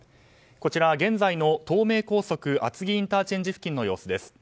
こちら、現在の東名高速厚木ＩＣ付近の様子です。